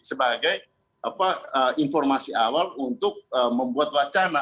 sebagai informasi awal untuk membuat wacana